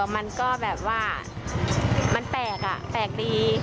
มันก็แบบว่ามันแปลกอ่ะแปลกดี